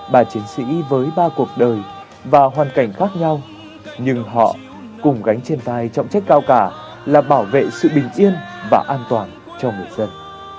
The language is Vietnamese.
ba chiến sĩ với ba cuộc đời và hoàn cảnh khác nhau nhưng họ cùng gánh trên vai trọng trách cao cả là bảo vệ sự bình yên và an toàn cho người dân